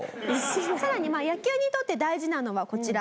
更に野球にとって大事なのはこちら。